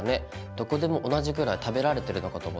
どこでも同じぐらい食べられてるのかと思ってた。